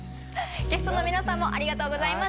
ゲストの皆さんもありがとうございました。